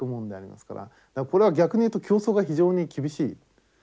これは逆に言うと競争が非常に厳しい。